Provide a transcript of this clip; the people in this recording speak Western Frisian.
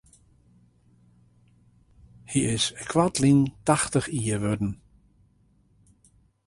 Hy is koartlyn tachtich jier wurden.